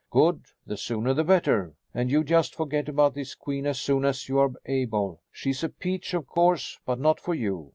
"Good. The sooner the better. And you just forget about this queen as soon as you are able. She's a peach, of course, but not for you.